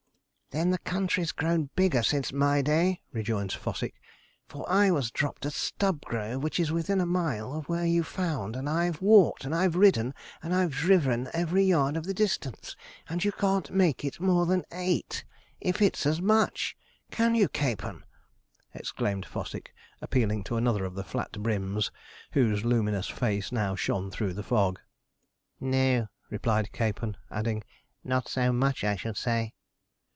'Then the country's grown bigger since my day,' rejoins Fossick, 'for I was dropped at Stubgrove, which is within a mile of where you found, and I've walked, and I've ridden, and I've driven every yard of the distance, and you can't make it more than eight, if it's as much. Can you, Capon?' exclaimed Fossick, appealing to another of the 'flat brims,' whose luminous face now shone through the fog. 'No,' replied Capon, adding, 'not so much, I should say.'